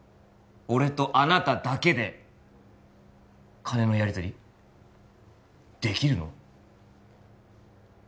俺とあなただけで金のやり取りできるの？